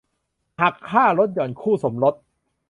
หักค่าลดหย่อนคู่สมรส